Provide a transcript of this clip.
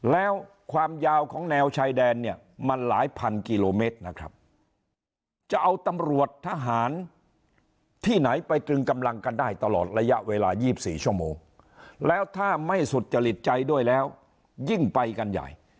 แล้วความยาวของแนวชายแดนเนี่ยมันหลายพันกิโลเมตรนะครับจะเอาตำรวจทหารที่ไหนไปตรึงกำลังกันได้ตลอดระยะเวลา๒๔ชั่วโมงแล้วถ้าไม่สุจริตใจด้วยแล้วยิ่งไปกันใหญ่